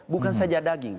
bukan saja daging